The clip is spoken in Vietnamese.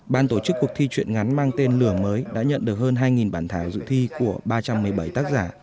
ban tổ chức cuộc thi chuyện ngắn mang tên lửa mới đã nhận được hơn hai bản thảo dự thi của ba trăm một mươi bảy tác giả